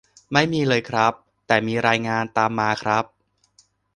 ไม่มีเลยครับ แต่จะมีรายงานตามมาครับ